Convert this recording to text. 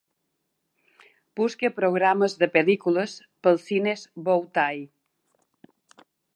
Busca programes de pel·lícules pels cines Bow Tie.